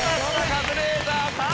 カズレーザーさん。